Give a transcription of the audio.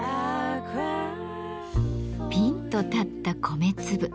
ぴんと立った米粒。